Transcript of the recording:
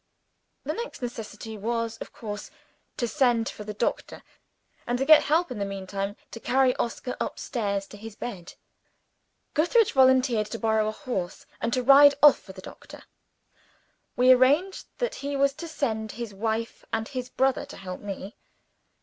The next necessity was, of course, to send for the doctor, and to get help, in the meantime, to carry Oscar up stairs to his bed. Gootheridge volunteered to borrow a horse, and to ride off for the doctor. We arranged that he was to send his wife and his wife's brother to help me.